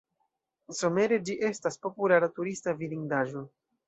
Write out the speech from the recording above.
Somere ĝi estas populara turista vidindaĵo.